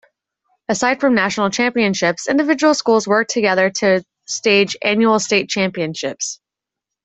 Aside from national championships, individual schools worked together to stage annual state championships.